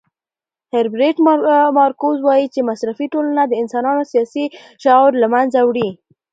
هیربرټ مارکوز وایي چې مصرفي ټولنه د انسانانو سیاسي شعور له منځه وړي.